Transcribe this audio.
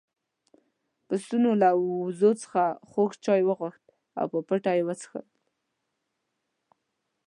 پسونو له وزې څخه خوږ چای وغوښتل او په پټه يې وڅښل.